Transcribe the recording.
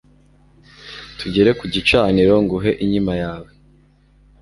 tugere ku gicaniro nguhe inkima yawe